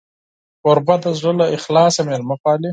کوربه د زړه له اخلاصه میلمه پالي.